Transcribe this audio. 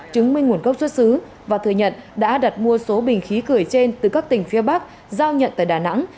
chứng minh nguồn gốc xuất xứ và thừa nhận đã đặt mua số bình khí cười trên từ các tỉnh phía bắc giao nhận tại đà nẵng